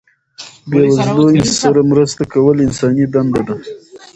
بې وزلو سره مرسته کول انساني دنده ده.